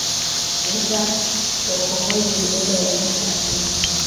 Vita ya ukombozi ilileta uharibifu mwingi.